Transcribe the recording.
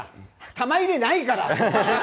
玉入れないから。